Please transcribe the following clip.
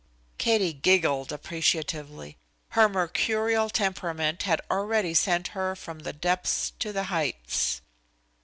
Katie giggled appreciatively. Her mercurial temperament had already sent her from the depths to the heights.